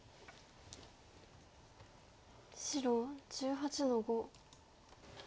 白１８の五。